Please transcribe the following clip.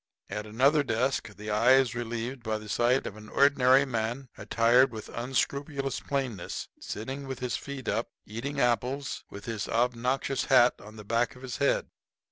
At another desk the eye is relieved by the sight of an ordinary man, attired with unscrupulous plainness, sitting with his feet up, eating apples, with his obnoxious hat on the back of his head.